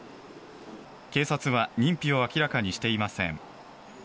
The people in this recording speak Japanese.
警察は認否を明らかにしていません。